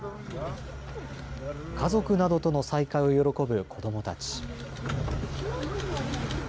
家族などとの再会を喜ぶ子どもたち。